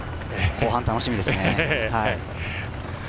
後半、楽しみですね。